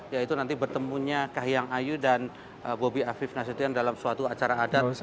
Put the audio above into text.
yaitu nanti bertemunya kahiyang ayu dan bobi afif nasution dalam suatu acara adat